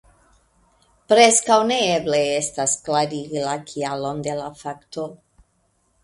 Preskaŭ neeble estas, klarigi la kialon de la fakto.